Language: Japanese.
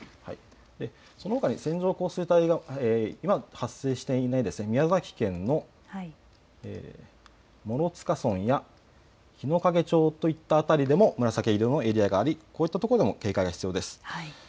そのほかに線状降水帯が今、発生していない宮崎県の諸塚村や日之影町といった辺りでも紫色のエリアがありこういった所でも警戒が必要です。